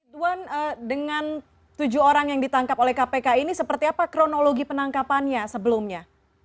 tuan dengan tujuh orang yang ditangkap oleh kpk ini seperti apa kronologi penangkapannya sebelumnya